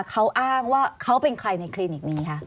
เขาอ้างว่าเขาเป็นใครในคลินิกนี้คะ